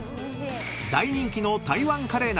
［大人気の台湾カレー鍋。